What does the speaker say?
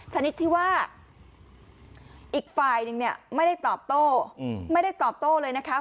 ชนิดที่ว่าอีกฝ่ายนึงเนี่ยไม่ได้ตอบโต้ไม่ได้ตอบโต้เลยนะคะ